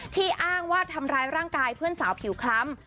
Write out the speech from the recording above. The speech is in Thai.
อ้างว่าทำร้ายร่างกายเพื่อนสาวผิวคล้ำ